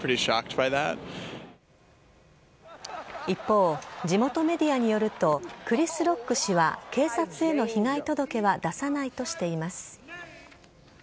一方、地元メディアによると、クリス・ロック氏は、警察への被害届は出さないとしています。